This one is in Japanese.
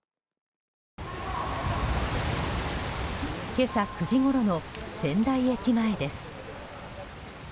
今朝９時ごろの仙台駅前です。